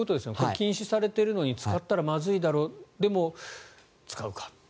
禁止されているのに使ったらまずいだろうでも、使うかと。